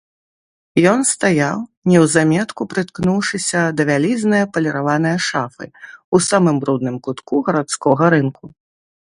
Ён стаяў, неўзаметку прыткнуўшыся да вялізнае паліраванае шафы, у самым брудным кутку гарадскога рынку.